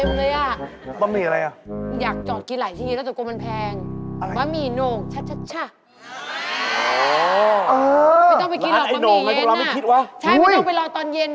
โอ๊ยไม่เอาอยากกินตอนนี้แหละไปรออะไรตอนเย็นน่ะ